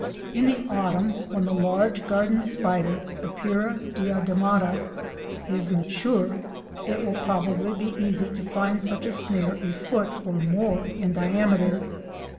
In the autumn, when the large garden spider, Epeira diademata (fig. 2 A), is mature, it will probably be easy to find such a snare a foot or more in diameter.